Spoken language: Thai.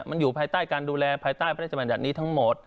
มันอยู่ภายใต้การดูแลภายใต้พระราชบัญญัตินี้ทั้งหมด